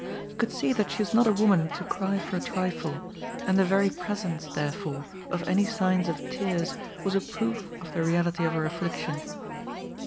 You could see that she was not a woman to cry for a trifle, and the very pres ence, therefore, of any signs of tears was a proof of the reality of her affliction.